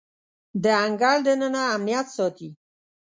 د انګړ دننه امنیت ساتي.